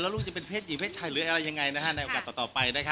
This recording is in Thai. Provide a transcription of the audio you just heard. แล้วลูกจะเป็นเพชรหรือเพชรชัยหรืออะไรยังไงนะฮะในโอกาสต่อต่อไปนะฮะ